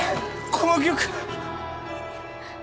この曲。